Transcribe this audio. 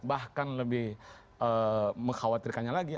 jadi itu lebih mengkhawatirkannya lagi